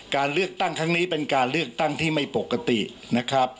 การเลือกตั้งครั้งนี้เป็นการเลือกตั้งที่ไม่ปกตินะครับ